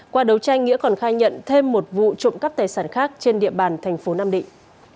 qua đấu tranh nghĩa còn khai nhận thêm một vụ trộm cắp tài sản khác trên địa bàn thành phố nam định